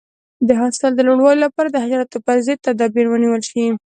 د حاصل د لوړوالي لپاره د حشراتو پر ضد تدابیر ونیول شي.